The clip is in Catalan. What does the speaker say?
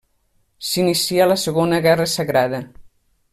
S'inicia la Segona Guerra Sagrada.